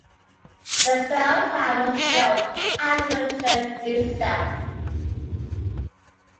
The bell tower was built after the church itself.